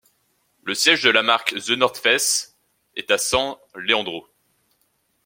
Le siège de la marque The North Face est à San Leandro.